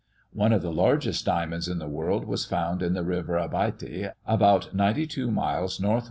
One of the largest diamonds in the world was found in the river Abaite, about 92 miles N. W.